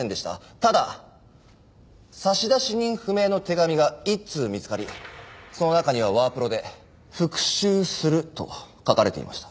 ただ差出人不明の手紙が１通見つかりその中にはワープロで「復讐する。」と書かれていました。